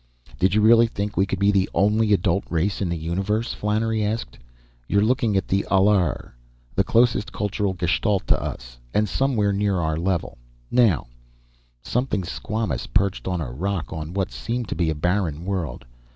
"Did you really think we could be the only adult race in the universe?" Flannery asked. "You're looking at the Allr, the closest cultural gestalt to us, and somewhere near our level. Now " Something squamous perched on a rock on what seemed to be a barren world.